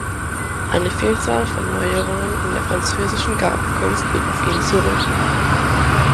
Eine Vielzahl von Neuerungen in der französischen Gartenkunst geht auf ihn zurück.